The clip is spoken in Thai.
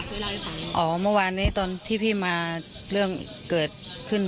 ช่วยเล่าให้ฟังอ๋อเมื่อวานนี้ตอนที่พี่มาเรื่องเกิดขึ้น